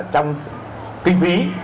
trong kinh phí